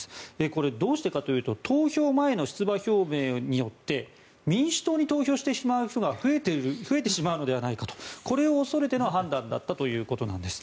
これ、どうしてかというと投票前の出馬表明によって民主党に投票してしまう人が増えてしまうのでないかとこれを恐れての判断だったということなんです。